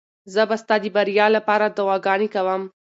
زه به ستا د بریا لپاره دعاګانې کوم.